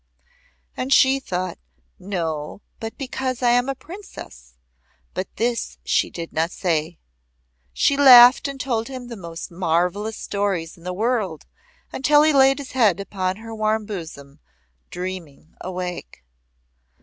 And she thought "No, but because I am a Princess," but this she did not say. She laughed and told him the most marvellous stories in the world until he laid his head upon her warm bosom, dreaming awake.